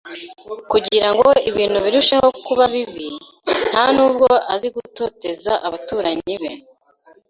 Kugira ngo ibintu birusheho kuba bibi, nta nubwo azi gutoteza abaturanyi be.